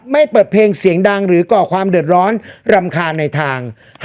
เปิดเพลงเสียงดังหรือก่อความเดือดร้อนรำคาญในทาง